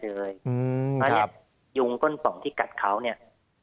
หรือยุงก้นปองที่กัดเขาเนี่ย